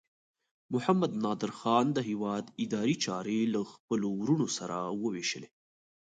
محمد نادر خان د هیواد اداري چارې له خپلو وروڼو سره وویشلې.